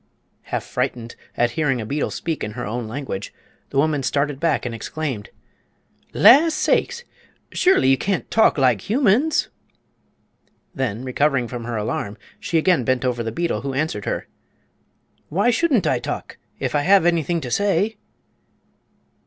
Half frightened at hearing a beetle speak in her own language, the woman started back and exclaimed: "La sakes! Surely you can't talk like humans!" Then, recovering from her alarm, she again bent over the beetle, who answered her: "Why shouldn't I talk, if I have anything to say?